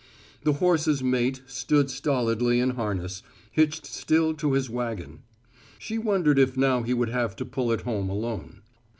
The horse's mate stood stolidly in harness, hitched still to his wagon. She wondered if now he would have to pull it home alone.